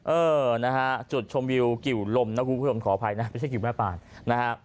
เออนะฮะจุดชมวิวกิวลมนะคุณผู้ชมขออภัยนะไม่ใช่กิวแม่ปานนะฮะ